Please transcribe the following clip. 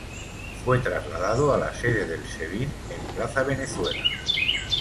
Fue trasladado a la sede del Sebin en Plaza Venezuela.